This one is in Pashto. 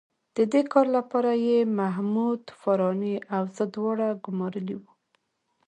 د دې کار لپاره یې محمود فاراني او زه دواړه ګومارلي وو.